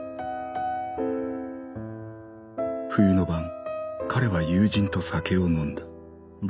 冬の晩彼は友人と酒を飲んだ。